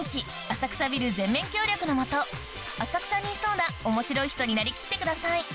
浅草にいそうな面白い人になりきってください